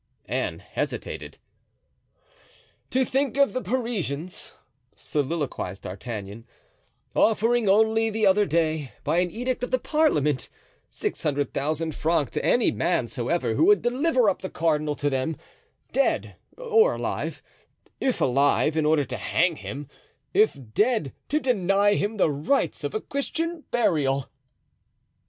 Anne hesitated. "To think of the Parisians," soliloquized D'Artagnan, "offering only the other day, by an edict of the parliament, six hundred thousand francs to any man soever who would deliver up the cardinal to them, dead or alive—if alive, in order to hang him; if dead, to deny him the rites of Christian burial!"